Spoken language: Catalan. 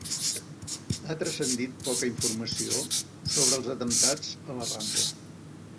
Ha transcendit poca informació sobre els atemptats a la Rambla